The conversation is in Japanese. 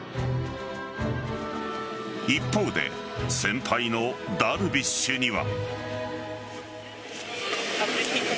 一方で先輩のダルビッシュには。